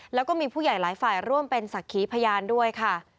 แล้วก็มีผู้ใหญ่หลายฝ่ายร่วมเป็นศักดิ์ขีพยานด้วยค่ะ